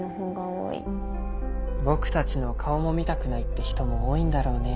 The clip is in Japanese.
僕たちの顔も見たくないって人も多いんだろうね。